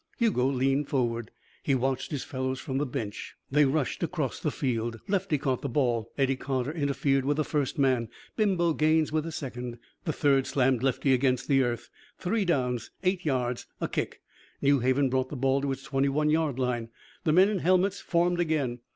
Hugo leaned forward. He watched his fellows from the bench. They rushed across the field. Lefty caught the ball. Eddie Carter interfered with the first man, Bimbo Gaines with the second. The third slammed Lefty against the earth. Three downs. Eight yards. A kick. New Haven brought the ball to its twenty one yard line. The men in helmets formed again.